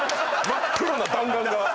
真っ黒な弾丸が。